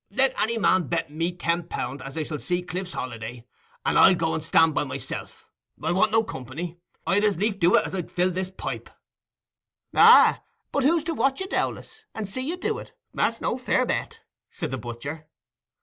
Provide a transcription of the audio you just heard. Let any man bet me ten pound as I shall see Cliff's Holiday, and I'll go and stand by myself. I want no company. I'd as lief do it as I'd fill this pipe." "Ah, but who's to watch you, Dowlas, and see you do it? That's no fair bet," said the butcher.